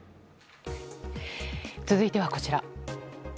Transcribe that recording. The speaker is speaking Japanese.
続いては、こちら。